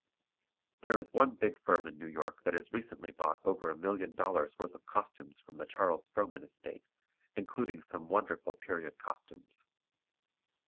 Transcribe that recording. There is one big firm in New York that has recently bought over a million dollars' worth of costumes from the Charles Frohman Estate, including some wonderful period costumes.